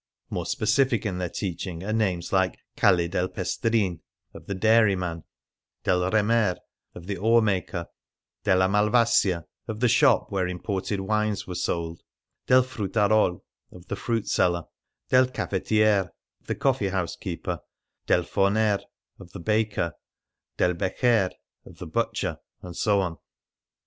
More specific in their teaching are names like " Calle del Pestrin " (of the Dairy man), " del Remer " (of the Oar maker), " della Malvasia " (of the shop where imported wines were sold), " del Fruttarol " (of the Fruit seller), " del Caffetier " (of the Coffee house keeper), "del Forner" (of the Baker), "del Beccher" (of the Butcher), and so forth.